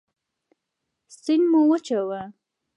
سیند مه وچوه.